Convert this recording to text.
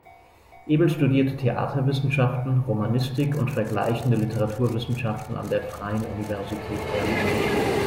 Ebel studierte Theaterwissenschaften, Romanistik und Vergleichende Literaturwissenschaften an der Freien Universität Berlin.